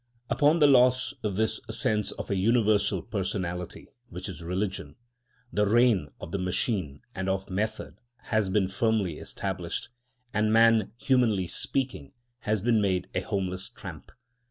Upon the loss of this sense of a universal personality, which is religion, the reign of the machine and of method has been firmly established, and man, humanly speaking, has been made a homeless tramp.